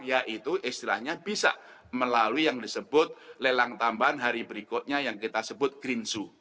yaitu istilahnya bisa melalui yang disebut lelang tambahan hari berikutnya yang kita sebut green zoo